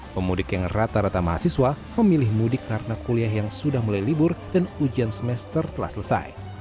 pemudik yang rata rata mahasiswa memilih mudik karena kuliah yang sudah mulai libur dan ujian semester telah selesai